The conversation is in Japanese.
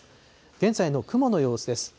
現在の雲の様子です。